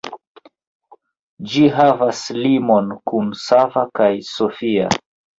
Ĝi havas limon kun Sava kaj Sofia.